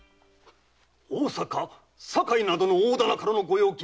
大阪・堺などの大店からの御用金